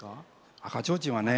「赤ちょうちん」はね